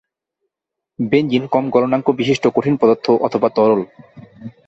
Benzene কম গলনাঙ্ক বিশিষ্ট কঠিন পদার্থ অথবা তরল।